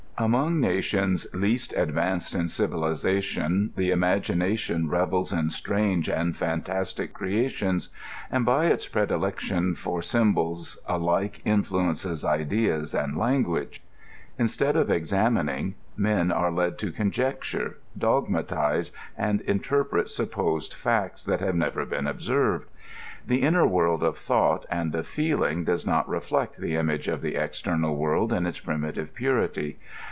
Among nations least advanced in civilization, the imagina tion revels in strange and £mtastic ereatiims, and, by its pre dilection for symbols, alike influences ideas and language. In stead of examining, men are led to conjecture, dogmatize, and interpret supposed facts that have never been observed. The inner world of thought and of feeling does not reflect the image of the external world in its primitive purity.